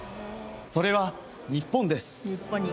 それは日本です